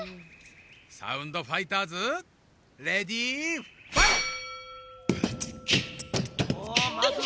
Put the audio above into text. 「サウンドファイターズ」レディーファイト！